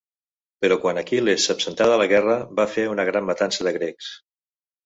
Però quan Aquil·les s'absentà de la guerra, va fer una gran matança de grecs.